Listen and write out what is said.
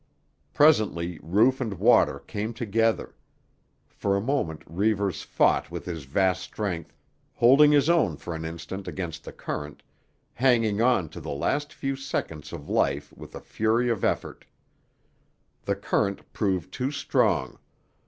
Presently roof and water came together. For a moment Reivers fought with his vast strength, holding his own for an instant against the current, hanging on to the last few seconds of life with a fury of effort. The current proved too strong.